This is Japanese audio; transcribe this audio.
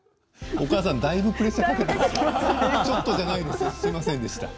お母さん、だいぶプレッシャーかけてましたよ。